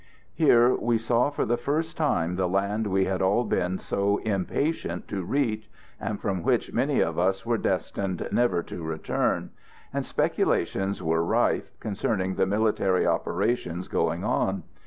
Here we saw for the first time the land we had all been so impatient to reach, and from which many of us were destined never to return, and speculations were rife concerning the military operations going on.